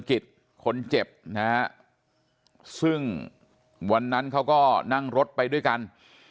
กิจคนเจ็บนะฮะซึ่งวันนั้นเขาก็นั่งรถไปด้วยกัน